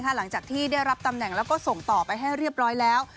หลังจากที่ได้รับตำแหน่งแล้วก็ส่งต่อไปให้เรียบร้อยแล้ว